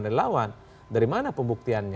relawan dari mana pembuktiannya